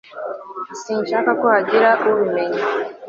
sinshaka ko hagira ubimenya